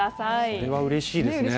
それはうれしいですね。